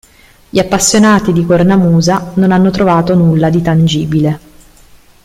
Gli appassionati di cornamusa non hanno trovato nulla di tangibile.